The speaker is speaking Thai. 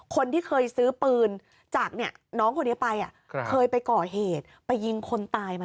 คนที่เคยซื้อปืนจากน้องคนนี้ไปเคยไปก่อเหตุไปยิงคนตายมา